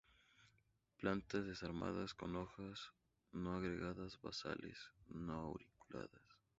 Plantas desarmadas con hojas no agregadas basales; no auriculadas.